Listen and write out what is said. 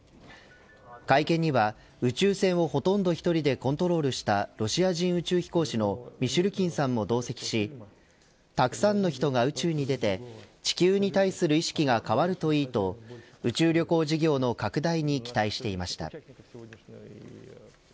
会見には宇宙船をほとんど１人でコントロールしたロシア人宇宙飛行士のミシュルキンさんも同席したくさんの人が宇宙に出て地球に対する意識が変わるといいと宇宙旅行事業の拡大に期待していました。